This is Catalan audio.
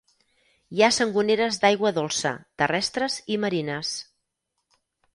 Hi ha sangoneres d'aigua dolça, terrestres i marines.